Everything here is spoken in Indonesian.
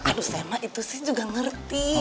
aduh saya mah itu sih juga ngerti